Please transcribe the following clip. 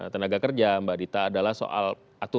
terima kasih pak heru